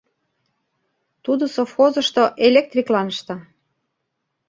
Тудо совхозышто электриклан ышта.